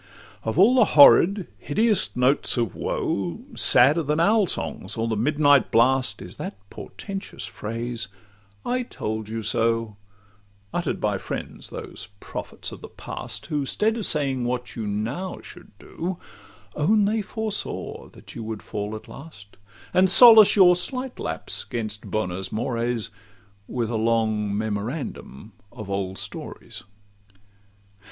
Of all the horrid, hideous notes of woe, Sadder than owl songs or the midnight blast, Is that portentous phrase, 'I told you so,' Utter'd by friends, those prophets of the past, Who, 'stead of saying what you now should do, Own they foresaw that you would fall at last, And solace your slight lapse 'gainst 'bonos mores,' With a long memorandum of old stories.